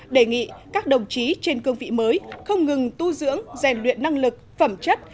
đề nghị các đồng chí trên cương vị mới không ngừng tu dưỡng rèn luyện năng lực phẩm chất